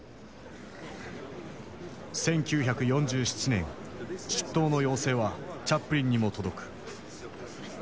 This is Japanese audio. １９４７年出頭の要請はチャップリンにも届く。